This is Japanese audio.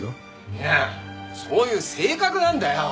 いやそういう性格なんだよ。